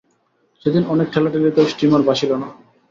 সেদিন অনেক ঠেলাঠেলিতেও স্টীমার ভাসিল না।